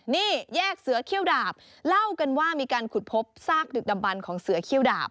นี่แยกเสือเขี้ยวดาบเล่ากันว่ามีการขุดพบซากดึกดำบันของเสือเขี้ยวดาบ